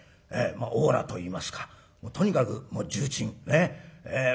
オーラといいますかとにかくもう重鎮。